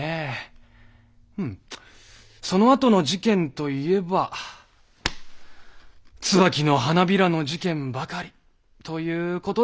うんそのあとの事件といえば椿の花びらの事件ばかりという事です。